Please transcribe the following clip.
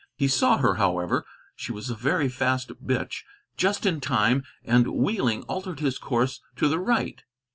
He saw her, however, she was a very fast bitch, just in time, and, wheeling, altered his course to the right.